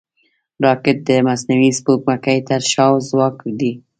راکټ د مصنوعي سپوږمکۍ تر شا ځواک دی